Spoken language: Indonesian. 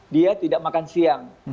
dia tidak makan siang